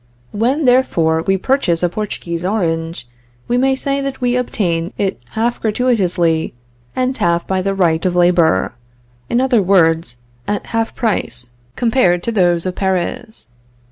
"When, therefore, we purchase a Portuguese orange, we may say that we obtain it half gratuitously and half by the right of labor; in other words, at half price compared to those of Paris.